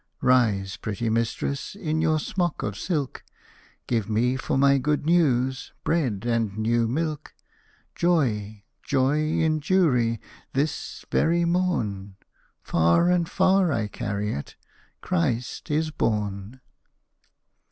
Rise, pretty mistress, In your smock of silk; Give me for my good news Bread and new milk. Joy, joy in Jewry, This very morn! Far and far I carry it Christ is born!'